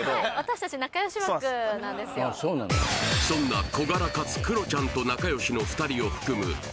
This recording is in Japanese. そんな小柄かつクロちゃんと仲よしの２人を含む